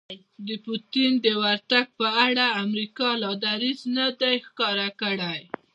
د پوتین د ورتګ په اړه امریکا لا دریځ نه دی ښکاره کړی